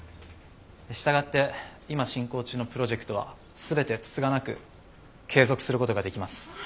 従って今進行中のプロジェクトは全てつつがなく継続することができます。